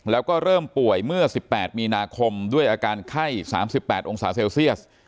แล้วก็เริ่มป่วยเมื่อ๑๘มีนาคมด้วยอาการไข้๓๘องศาเซลเซียส